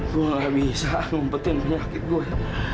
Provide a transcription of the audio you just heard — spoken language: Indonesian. gue enggak bisa ngumpetin penyakit gue